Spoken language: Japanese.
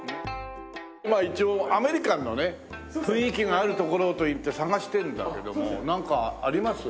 一応アメリカンのね雰囲気があるところといって探してるんだけどもなんかあります？